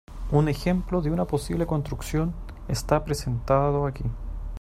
Un ejemplo de una posible construcción está presentado aquí.